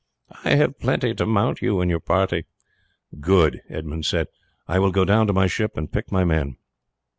"I have plenty to mount you and your party." "Good," Edmund said; "I will go down to my ship and pick my men."